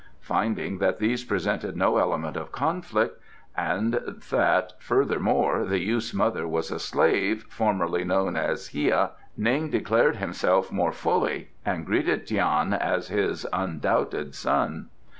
Finding that these presented no element of conflict, and that, furthermore, the youth's mother was a slave, formerly known as Hia, Ning declared himself more fully and greeted Tian as his undoubted son.